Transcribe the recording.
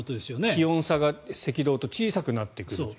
気温差が赤道と小さくなってくるという。